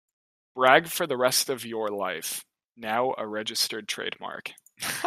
Brag for the rest of your life"", now a registered trademark.